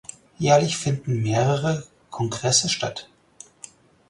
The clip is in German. Jährlich finden mehrere Kongresse statt.